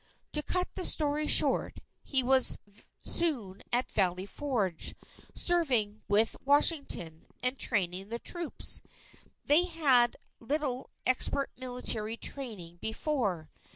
To cut the story short, he was soon at Valley Forge, serving with Washington, and training the troops. They had had little expert military training before.